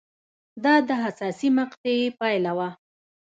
دا د حساسې مقطعې پایله وه